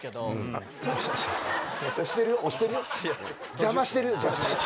邪魔してるよ。